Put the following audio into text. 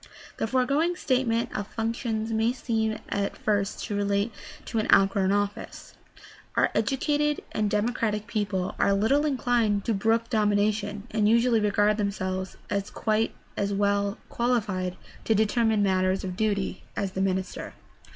— The foregoing statement of functions may seem at first to relate to an out grown office. Our educated and democratic people are little inclined to brook domination, and usually regard them selves as quite as well qualified to determine matters of duty as the minister.